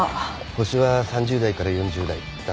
ホシは３０代から４０代男性。